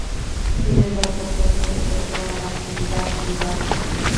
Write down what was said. Sin embargo, pronto retornó a la actividad privada.